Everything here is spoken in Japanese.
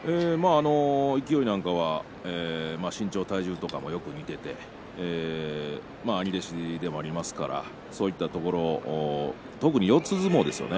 勢なんかは身長体重なんかもよく似ていて兄弟子でもありますからそういったところを特に四つ相撲ですよね。